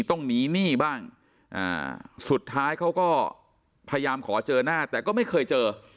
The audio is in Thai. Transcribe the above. ต้องหนีหนี้บ้างสุดท้ายเขาก็พยายามขอเจอหน้าแต่ก็ไม่เคยเจอ